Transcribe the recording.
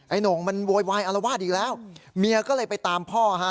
โหน่งมันโวยวายอารวาสอีกแล้วเมียก็เลยไปตามพ่อฮะ